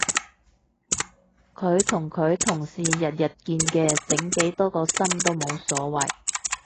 佢同佢同事日日見嘅整幾多個心都冇所謂